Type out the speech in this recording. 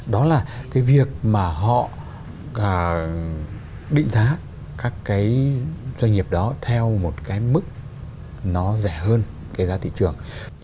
đó là việc họ định giá các doanh nghiệp đó theo một mức rẻ hơn giá thị trường